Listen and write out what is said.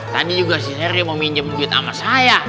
tadi juga si serge mau pinjam uang sama saya